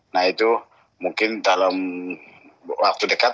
nah itu mungkin dalam waktu dekat